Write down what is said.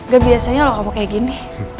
gue biasanya loh kamu kayak gini